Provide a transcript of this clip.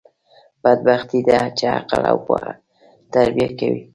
بدبختي ده، چي عقل او پوهه تربیه کوي.